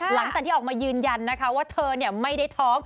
หลังจากที่ออกมายืนยันนะคะว่าเธอไม่ได้ท้อง